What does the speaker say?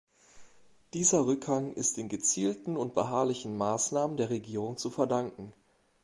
Dieser Rückgang ist den gezielten und beharrlichen Maßnahmen der Regierung zu verdanken.